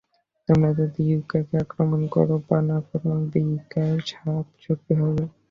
তোমরা যদি ইউতাকে আক্রমণ করো বা না করো, রিকার শাপ সক্রিয় হবে।